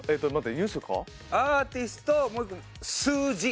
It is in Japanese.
アーティストもう１個数字。